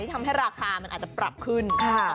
ทำให้ราคามันอาจจะปรับขึ้น